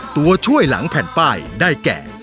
ตัวช่วยหลังแผ่นป้ายได้แก่